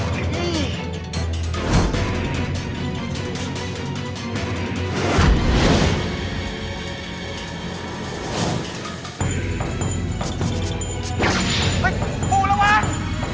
เฮ้ยปูระวัง